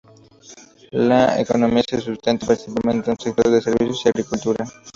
La economía se sustenta principalmente en sector servicios y agricultura.